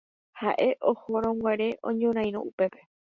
ha'e ohorõguare oñorairõ upépe